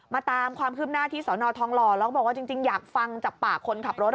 ตามความคืบหน้าที่สอนอทองหล่อแล้วก็บอกว่าจริงอยากฟังจากปากคนขับรถ